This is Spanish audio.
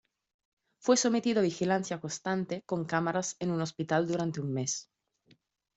Fue sometido a vigilancia constante con cámaras en un hospital durante un mes.